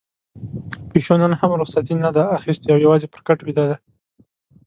پيشو نن هم رخصتي نه ده اخیستې او يوازې پر کټ ويده ده.